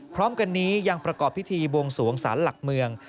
พร้อมกันนี้ยังประกอบพิธีบวงสวงสารหลักเมือง